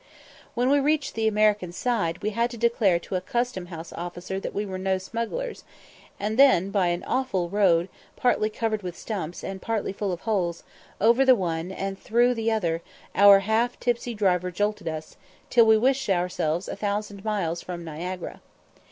When we reached the American side we had to declare to a custom house officer that we were no smugglers; and then by an awful road, partly covered with stumps, and partly full of holes, over the one, and through the other, our half tipsy driver jolted us, till we wished ourselves a thousand miles from Niagara Falls.